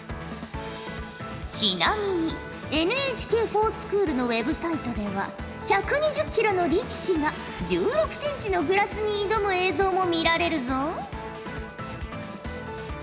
ちなみにＮＨＫｆｏｒＳｃｈｏｏｌのＷｅｂサイトでは１２０キロの力士が１６センチのグラスに挑む映像も見られるぞ。